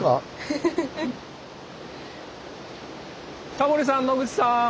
・タモリさん野口さん。